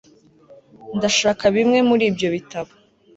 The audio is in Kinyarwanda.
Ndashaka bimwe muri ibyo bitabo